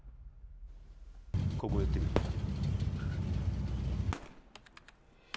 ここ寄ってみろうん？